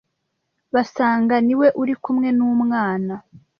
basanga ni we uri kumwe n’umwana